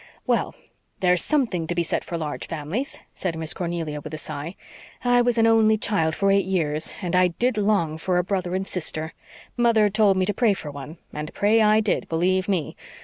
"Well, there's something to be said for large families," said Miss Cornelia, with a sigh. "I was an only child for eight years and I did long for a brother and sister. Mother told me to pray for one and pray I did, believe ME.